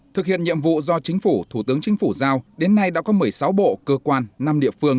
thực hiện nhiệm vụ do chính phủ thủ tướng chính phủ giao đến nay đã có một mươi sáu bộ cơ quan năm địa phương